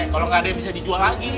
kalau nggak ada yang bisa dijual lagi